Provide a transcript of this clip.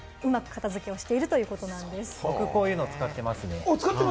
僕、こういうの使ってますね。